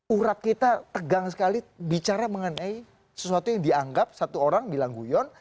urat kita tegang sekali bicara mengenai sesuatu yang dianggap satu orang bilang guyon